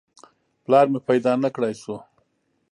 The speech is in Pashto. پلار مې پیدا نه کړای شو.